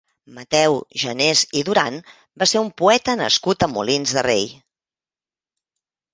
Mateu Janés i Duran va ser un poeta nascut a Molins de Rei.